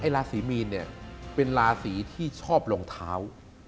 ราศีมีนเป็นราศีที่ชอบลองเท้า